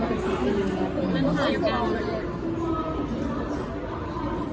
ก็อยู่กัน